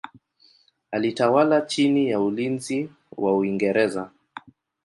Alitawala chini ya ulinzi wa Uingereza.